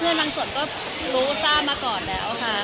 บางส่วนก็รู้ทราบมาก่อนแล้วค่ะ